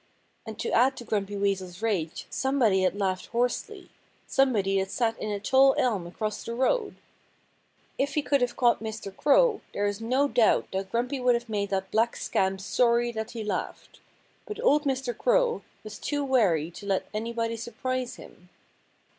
And to add to Grumpy Weasel's rage, somebody had laughed hoarsely somebody that sat in a tall elm across the road. If he could have caught Mr. Crow there is no doubt that Grumpy would have made that black scamp sorry that he laughed. But old Mr. Crow was too wary to let anybody surprise him.